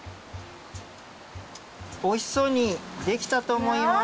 おいしそうにできたと思います。